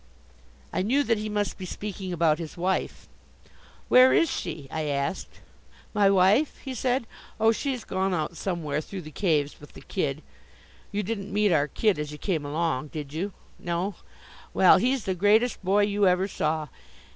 I knew that he must be speaking about his wife. "Where is she?" I asked. "My wife?" he said. "Oh, she's gone out somewhere through the caves with the kid. You didn't meet our kid as you came along, did you? No? Well, he's the greatest boy you even saw.